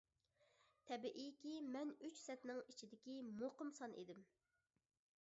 تەبىئىيكى مەن ئۈچ سەتنىڭ ئىچىدىكى مۇقىم سان ئىدىم.